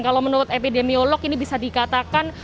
kalau menurut epidemiolog ini bisa dikatakan